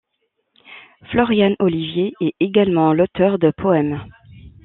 Floriane Olivier est également l'auteure de poèmes.